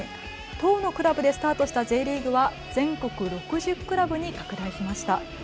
１０のクラブでスタートしたＪリーグは全国６０クラブに拡大しました。